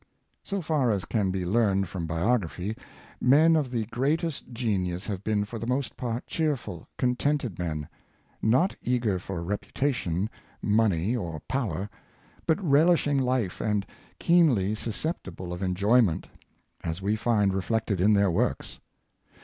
So far as can be learned from biography, men of the greatest genius have been for the most part cheerful, contented men — not eager for reputation, money, or power — but relishing life, and keenly susceptible of en joyment, as we find reflected in their works.